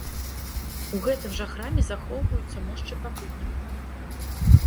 У гэтым жа храме захоўваюцца мошчы пакутніка.